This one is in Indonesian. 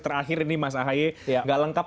terakhir ini mas ahaye nggak lengkap